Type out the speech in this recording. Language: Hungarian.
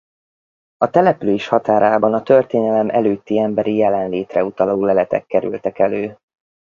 A település határában a történelem előtti emberi jelenlétre utaló leletek kerültek elő.